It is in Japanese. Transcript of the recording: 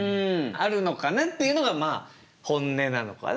「あるのかな」っていうのがまあ本音なのかな。